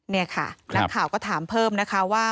นี่ค่ะนักข่าวก็ถามเพิ่มนะคะว่า